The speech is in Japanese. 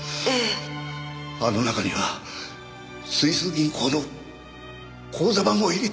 あの中にはスイス銀行の口座番号を入れてたんだ。